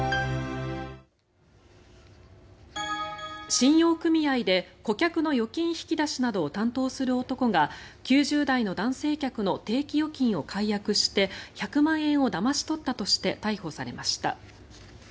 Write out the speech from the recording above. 信用組合で顧客の預金引き出しなどを担当する男が９０代の男性客の定期預金を解約して１００万円をだまし取ったとして逮捕されました。